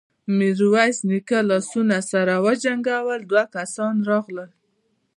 ميرويس نيکه لاسونه سره وجنګول، دوه کسان راغلل.